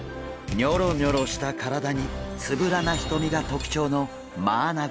ニョロニョロした体につぶらな瞳が特徴のマアナゴ。